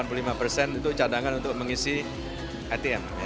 rp tiga puluh lima lima triliun itu cadangan untuk mengisi atm